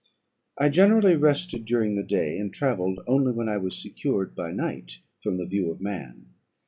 "I generally rested during the day, and travelled only when I was secured by night from the view of man.